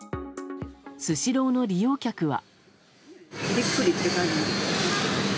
スシローの利用客は。